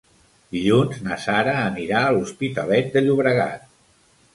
Dilluns na Sara anirà a l'Hospitalet de Llobregat.